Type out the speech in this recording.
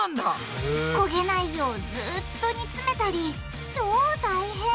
こげないようずっと煮詰めたり超大変！